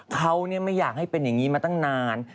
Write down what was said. เขาไม่อยากให้เป็นอย่างนี้มาตั้งนาน